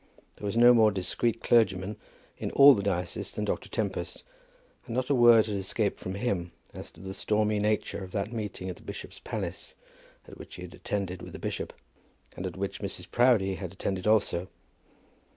There was no more discreet clergyman in all the diocese than Dr. Tempest, and not a word had escaped from him as to the stormy nature of that meeting in the bishop's palace, at which he had attended with the bishop, and at which Mrs. Proudie had attended also.